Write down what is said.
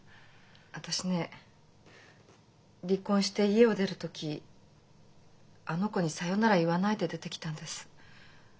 私ね離婚して家を出る時あの子にさよなら言わないで出てきたんです。